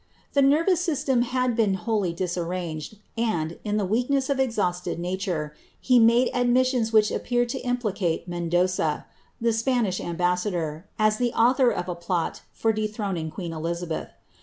The nervous system had been wholly disarranged^ and, in the weakness of exhausted nature, he made admissions which appeared to implicate Mcndoga, the Spanish ambassador, as the author of a plot for dethroning queen Elizabeth.